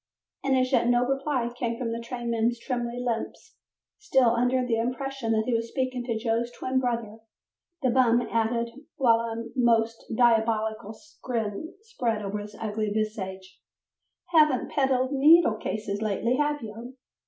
As yet no reply came from the trainman's trembling lips, still under the impression that he was speaking to Joe's twin brother, the bum added, while a most diabolical grin spread over his ugly visage, "Haven't peddled needle cases lately, have you?"